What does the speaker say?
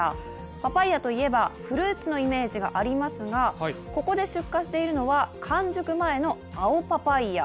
パパイヤといえばフルーツのイメージがありますが、ここで出荷しているのは、完熟前の青パパイヤ。